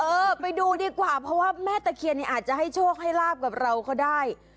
เออไปดูดีกว่าเพราะว่าแม่ตะเคียนเนี่ยอาจจะให้โชคให้ลาบกับเราก็ได้